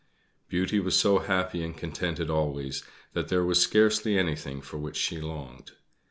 Beauty was so happy and contented always that there was scarcely anything for which she longed.